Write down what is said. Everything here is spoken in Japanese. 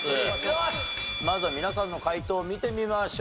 まずは皆さんの解答を見てみましょう。